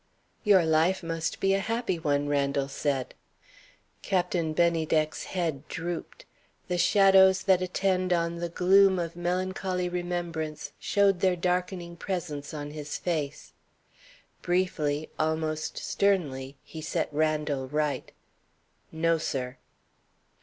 "Your life must be a happy one," Randal said. Captain Bennydeck's head drooped. The shadows that attend on the gloom of melancholy remembrance showed their darkening presence on his face. Briefly, almost sternly, he set Randal right. "No, sir."